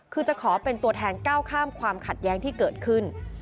คือจะขอเป็นตัวแทนก้าวข้ามความขัดแย้งที่เกิดขึ้น